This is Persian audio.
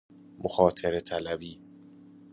مخاطره طلبی